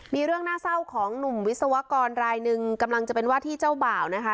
มีเรื่องน่าเศร้าของหนุ่มวิศวกรรายหนึ่งกำลังจะเป็นว่าที่เจ้าบ่าวนะคะ